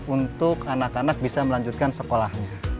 untuk anak anak bisa melanjutkan sekolahnya